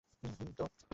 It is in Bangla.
হুম, তো?